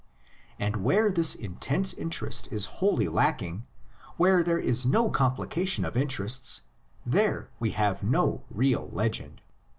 And where this intense interest is wholly lacking, where there is no complication of interests, there we have no real legend.